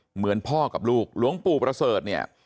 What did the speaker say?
เหมือนพ่อกับลูกหลวงปู่ประเสริฐเนี่ย